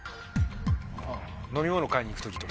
飲み物買いに行く時とか。